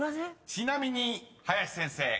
［ちなみに林先生］